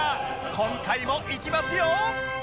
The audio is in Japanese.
今回もいきますよ！